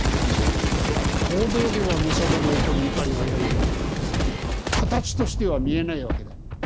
行動ではむさぼりおこりいかりはやるけども形としては見えないわけだ。